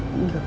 gak boleh lagi